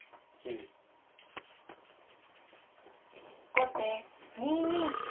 後手２二飛車。